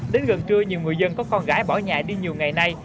đến gần trưa nhiều người dân có con gái bỏ nhà đi nhiều ngày nay